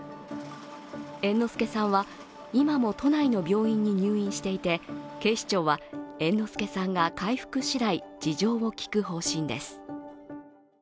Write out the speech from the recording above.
猿之助さんは今も都内の病院に入院していて警視庁は猿之助さんが回復次第事情を聴く方針です。